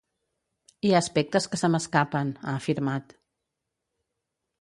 Hi ha aspectes que se m’escapen, ha afirmat.